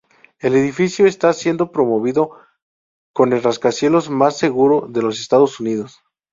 El edificio está siendo promovido como el rascacielos más seguro de los Estados Unidos.